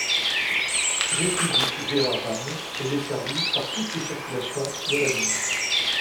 République - Villeurbanne est desservie par toutes les circulations de la ligne.